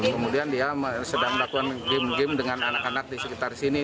kemudian dia sedang melakukan game game dengan anak anak di sekitar sini